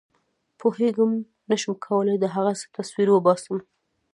پوهېږم نه شم کولای د هغه څه تصویر وباسم.